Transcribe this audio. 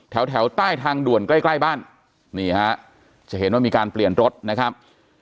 แถวแถวใต้ทางด่วนใกล้ใกล้บ้านนี่ฮะจะเห็นว่ามีการเปลี่ยนรถนะครับ